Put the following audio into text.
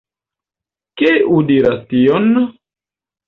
Kiu diras tion?